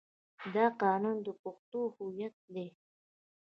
دا قانون د پښتنو هویت دی.